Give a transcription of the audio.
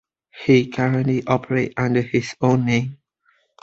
He currently operates under his own name.